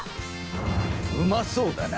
うまそうだな！